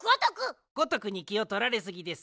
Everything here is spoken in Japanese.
ごとくにきをとられすぎです。